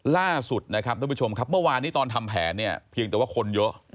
ล่าสุดนะครับท่านผู้ชมครับเมื่อวานนี้ตอนทำแผนเนี่ยเพียงแต่ว่าคนเยอะ